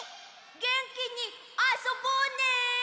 げんきにあそぼうね！